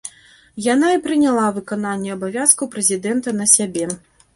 Яна і прыняла выкананне абавязкаў прэзідэнта на сябе.